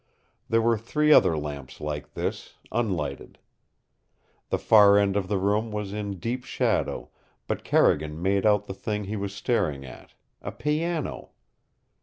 There were three other lamps like this, unlighted. The far end of the room was in deep shadow, but Carrigan made out the thing he was staring at a piano.